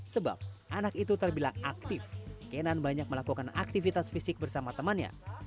sebab anak itu terbilang aktif kenan banyak melakukan aktivitas fisik bersama temannya